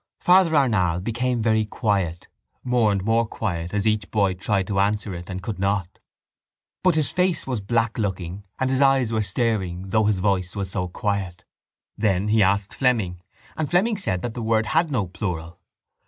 Father Arnall became very quiet, more and more quiet as each boy tried to answer it and could not. But his face was blacklooking and his eyes were staring though his voice was so quiet. Then he asked Fleming and Fleming said that the word had no plural.